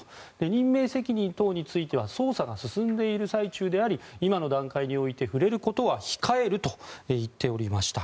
任命責任等については捜査が進んでいる最中であり今の段階において触れることは控えると言っておりました。